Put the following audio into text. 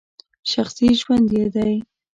شخصي ژوند یې دی !